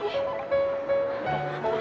abis ini baliklah sama moe